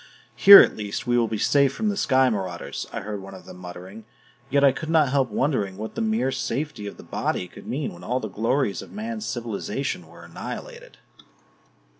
"Here at least we will be safe from the sky marauders," I heard one of them muttering. Yet I could not help wondering what the mere safety of the body could mean when all the glories of man's civilization were annihilated.